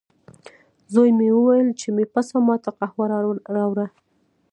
زوی مې وویل، چې مې پسه ما ته قهوه راوړه.